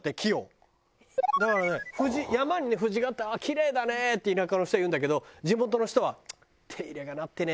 だからね山にね藤があったら「キレイだね！」って田舎の人は言うんだけど地元の人は「チッ！手入れがなってねえな」